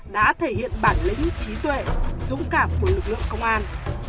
đã thể hiện bản lĩnh trí tuệ dũng cảm của lực lượng công an